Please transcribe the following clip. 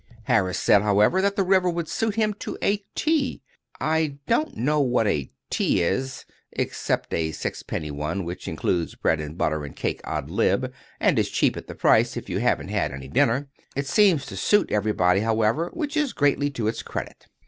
Harris said, however, that the river would suit him to a "T." I don't know what a "T" is (except a sixpenny one, which includes bread and butter and cake ad lib., and is cheap at the price, if you haven't had any dinner). It seems to suit everybody, however, which is greatly to its credit.